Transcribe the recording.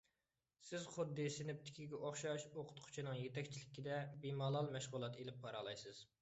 سىز خۇددى سىنىپتىكىگە ئوخشاش ئوقۇتقۇچىنىڭ يېتەكچىلىكىدە بىمالال مەشغۇلات ئېلىپ بارالايسىز.